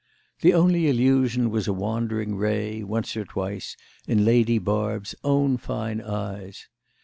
The only allusion was a wandering ray, once or twice, in Lady Barb's own fine eyes.